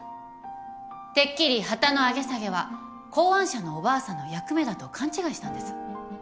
てっきり旗の上げ下げは考案者のおばあさんの役目だと勘違いしたんです。